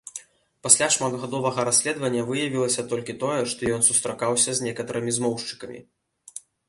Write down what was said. Пасля шматгадовага расследавання выявілася толькі тое, што ён сустракаўся з некаторымі змоўшчыкамі.